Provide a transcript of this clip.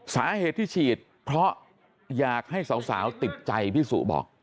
สาเหตุที่ฉีดเพราะอยากให้สาวติดใจพี่สุบอก